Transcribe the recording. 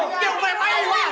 keluar ini bapak eh